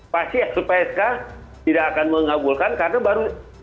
pasti lpsk tidak akan mengabulkan karena baru